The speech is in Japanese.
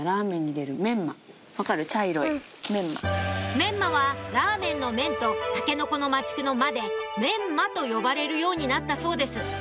メンマは「ラーメン」の「メン」とタケノコの「マチク」の「マ」で「メンマ」と呼ばれるようになったそうです